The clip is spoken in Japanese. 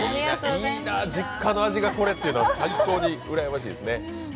いいな、実家の味がこれっていうのは最高にうらやましいですね。